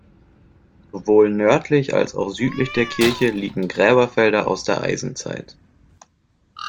Sowohl nördlich als auch südlich der Kirche liegen Gräberfelder aus der Eisenzeit.